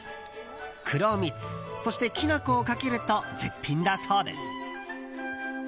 黒蜜、そしてきな粉をかけると絶品だそうです。